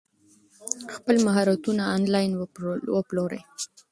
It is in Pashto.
خپل مهارتونه انلاین وپلورئ.